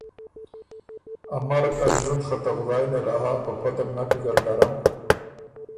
ا مرګ ا ݫوُند خه ته خدایٛ نېله هۀ په پۀ ده بو نک ویزر ډرم